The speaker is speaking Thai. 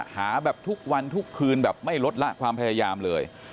หาแบบทุกวันทุกคืนแบบไม่ลดละความพยายามเลย